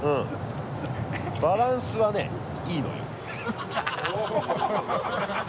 バランスはねいいのよ。